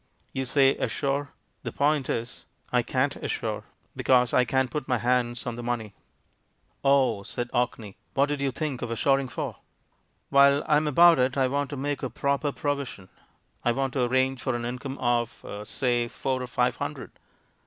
You say, 'assure'; the point is, I can't assure, because I can't put my hands on the money." *'Oh," said Orkney. "What did you think of assuring for?" "While I am about it I want to make a proper provision; I want to arrange for an income of, say, four or five hundred.